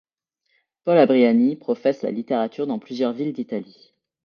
Paul Abriani professe la littérature dans plusieurs villes d'Italie.